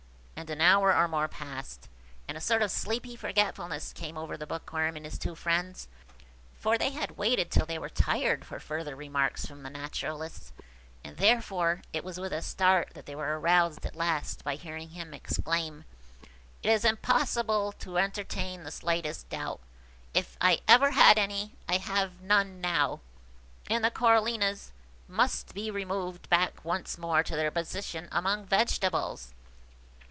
And an hour or more passed, and a sort of sleepy forgetfulness came over the Bookworm and his two friends; for they had waited till they were tired for further remarks from the Naturalist. And, therefore, it was with a start they were aroused at last by hearing him exclaim, "It is impossible to entertain the slightest doubt. If I ever had any, I have none now; and the Corallinas must be removed back once more to their position among vegetables!"